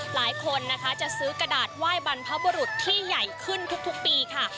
หลายคนนะคะจะซื้อกระดาษไหว้บรรพบุรุษที่ใหญ่ขึ้นทุกปีค่ะ